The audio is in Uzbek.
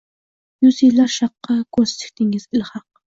Yuz yillar Sharqqa ko’z tikdingiz ilhaq